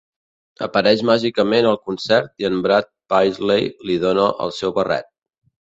Apareix màgicament al concert i en Brad Paisley li dona el seu barret.